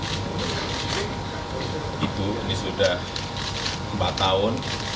ibu ini sudah empat tahun